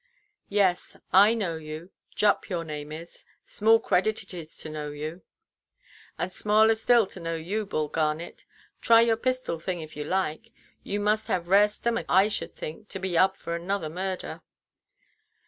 "Yes, I know you; Jupp your name is. Small credit it is to know you." "And smarler still to know you, Bull Garnet. Try your pistol thing, if you like. You must have rare stommick, I should think, to be up for another murder."